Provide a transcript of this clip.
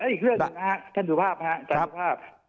อีกเรื่องนะฮะท่านสุภาพฮะท่านสุภาพฮะ